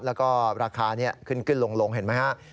แล้วก็ราคานี้ขึ้นลงเห็นไหมฮะ